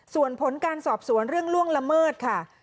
ส่วนผลการสอบสวนเรื่องล่วงละเมิดค่ะ